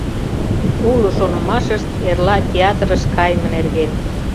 Уло шонымашышт эрла театрыш кайыме нерген.